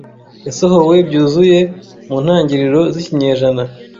Yasohowe byuzuye mu ntangiriro z'ikinyejana